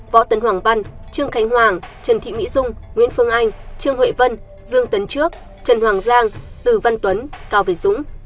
võ tân hoàng văn trương khánh hoàng trần thị mỹ dung nguyễn phương anh trương huệ vân dương tấn trước trần hoàng giang từ văn tuấn cao việt dũng